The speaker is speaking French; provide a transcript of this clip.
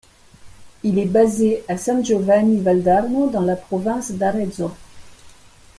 Il est basé à San Giovanni Valdarno dans la Province d'Arezzo.